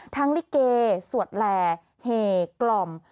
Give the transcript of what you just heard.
ทั้งลิเกสวดแหลแห่กล่อม